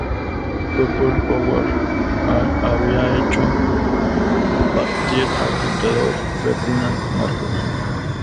People Power I había hecho partir al dictador Ferdinand Marcos.